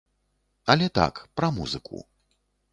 Але так, пра музыку.